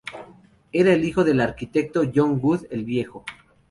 Era el hijo del arquitecto John Wood, el Viejo.